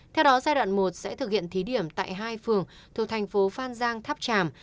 theo đó giai đoạn một sẽ thực hiện thí điểm tại hai phường thuộc thành phố phan giang tháp tràm